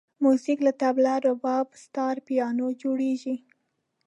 موزیک له طبل، رباب، ستار، پیانو جوړېږي.